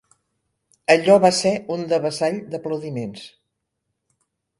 Allò va ésser un devessall d'aplaudiments